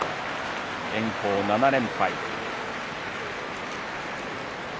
炎鵬７連敗。